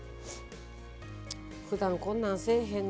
ふだんこんなんせえへんな。